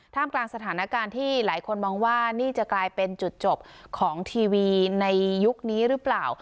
กลางสถานการณ์ที่หลายคนมองว่านี่จะกลายเป็นจุดจบของทีวีในยุคนี้หรือเปล่า